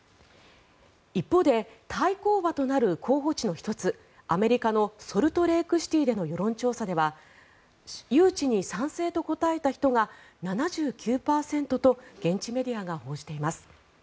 一方で対抗馬となる候補地の１つアメリカのソルトレークシティーでの世論調査では誘致に賛成と答えた人が７９％と現地メディアが報じています。